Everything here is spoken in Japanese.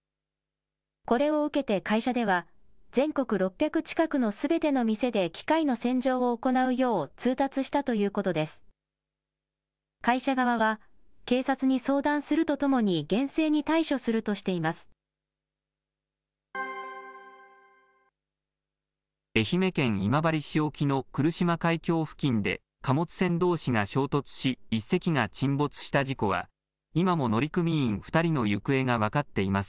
これを受けて会社では、全国６００近くのすべての店で機械の洗浄を行うよう通達したということです。